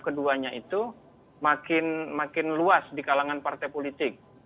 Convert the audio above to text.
keduanya itu makin luas di kalangan partai politik